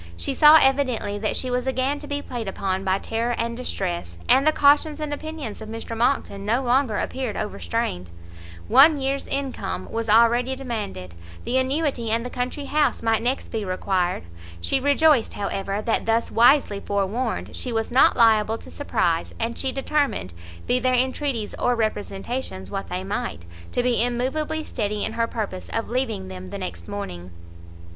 She saw evidently that she was again to be played upon by terror and distress, and the cautions and opinions of Mr Monckton no longer appeared overstrained; one year's income was already demanded, the annuity and the country house might next be required; she rejoiced, however, that thus wisely forewarned, she was not liable to surprise, and she determined, be their entreaties or representations what they might, to be immovably steady in her purpose of leaving them the next morning.